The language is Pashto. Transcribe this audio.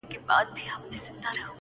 تور مار مه وژنه، تور جت مړ که!